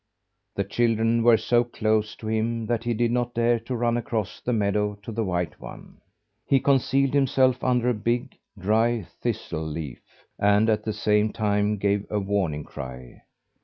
The children were so close to him that he did not dare to run across the meadow to the white one. He concealed himself under a big, dry thistle leaf, and at the same time gave a warning cry.